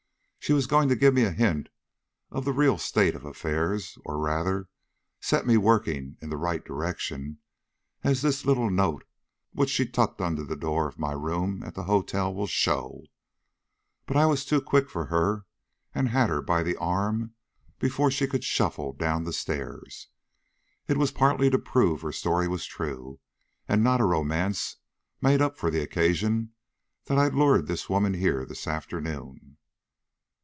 "She was going to give me a hint of the real state of affairs; or, rather, set me working in the right direction, as this little note which she tucked under the door of my room at the hotel will show. But I was too quick for her, and had her by the arm before she could shuffle down the stairs. It was partly to prove her story was true and not a romance made up for the occasion, that I lured this woman here this afternoon."